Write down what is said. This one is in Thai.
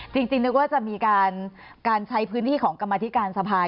จริงนึกว่าจะมีการใช้พื้นที่ของกรรมธิการสภา